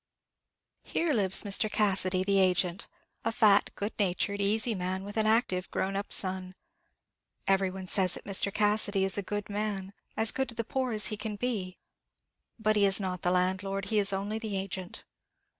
Here lives Mr. Cassidy, the agent; a fat, good natured, easy man, with an active grown up son. Every one says that Mr. Cassidy is a good man, as good to the poor as he can be. But he is not the landlord, he is only the agent.